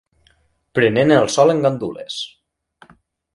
Prenent el sol en gandules